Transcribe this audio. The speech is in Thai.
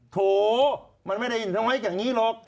โถมันไม่ได้น้อยอย่างนี้หรอก